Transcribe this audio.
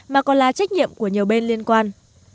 mà còn là trách nhiệm của nhiều bên liên quan